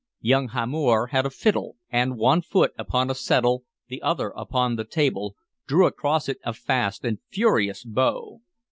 Young Hamor had a fiddle, and, one foot upon a settle, the other upon the table, drew across it a fast and furious bow.